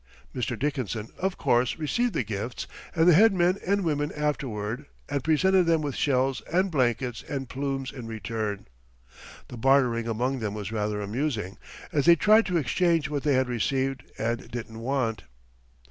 Mr. Dickinson, of course, received the chiefs and the head men and women afterward, and presented them with shells and blankets and plumes in return. The bartering among them was rather amusing, as they tried to exchange what they had received and didn't want. [Illustration: WEAPONS OF THE WILD TRIBES.